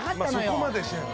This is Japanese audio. そこまでしない。